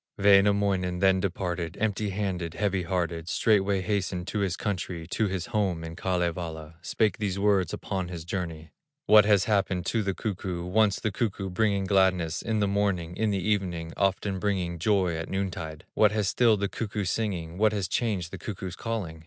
Wainamoinen then departed, Empty handed, heavy hearted, Straightway hastened to his country, To his home in Kalevala, Spake these words upon his journey: "What has happened to the cuckoo, Once the cuckoo bringing gladness, In the morning, in the evening, Often bringing joy at noontide? What has stilled the cuckoo's singing, What has changed the cuckoo's calling?